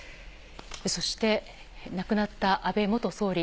そして、亡くなった安倍元総理。